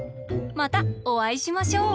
またおあいしましょう！